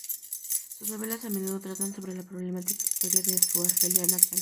Sus novelas a menudo tratan sobre la problemática historia de su Argelia natal.